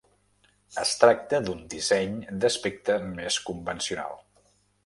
Es tracta d'un disseny d'aspecte més convencional.